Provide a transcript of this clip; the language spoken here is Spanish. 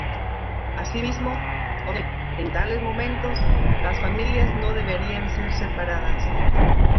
Asimismo, opinaba que, en tales momentos, las familias no deberían ser separadas.